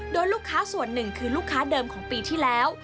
โดยลูกค้าส่วนหนึ่งคือลูกค้าเดิมของปีที่แล้ว